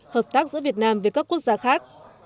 hợp tác giữa việt nam với các quốc gia khác